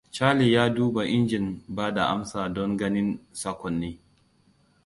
Chalie ya duba injin ba da amsa don ganin sakonni.